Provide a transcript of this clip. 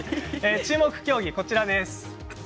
注目競技はこちらです。